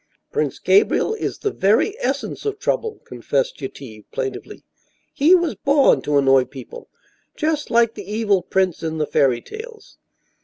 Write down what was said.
"Prince Gabriel is the very essence of trouble," confessed Yetive, plaintively. "He was born to annoy people, just like the evil prince in the fairy tales."